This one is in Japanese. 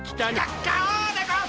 ガガオでゴンス。